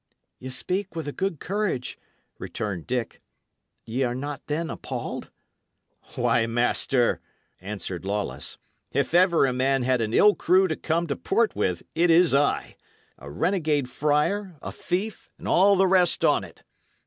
"Ye speak with a good courage," returned Dick. "Ye are not then appalled?" "Why, master," answered Lawless, "if ever a man had an ill crew to come to port with, it is I a renegade friar, a thief, and all the rest on't.